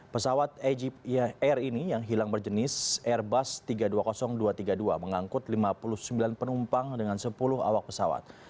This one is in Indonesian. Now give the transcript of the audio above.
pesawat egyp air ini yang hilang berjenis airbus tiga ratus dua puluh ribu dua ratus tiga puluh dua mengangkut lima puluh sembilan penumpang dengan sepuluh awak pesawat